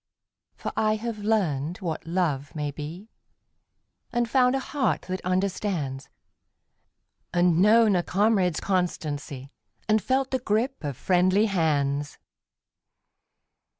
32 BETTER FAR TO PASS AWAY 33 For I have learned what love may be, And found a heart that understands, And known a comrade's constancy, And felt the grip of friendly hands.